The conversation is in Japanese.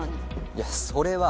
いやそれは。